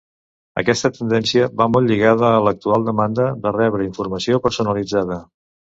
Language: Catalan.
Aquesta tendència va molt lligada a l'actual demanda de rebre informació personalitzada.